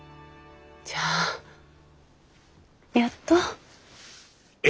じゃあやっと。え！？